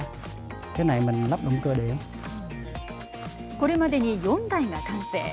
これまでに４台が完成。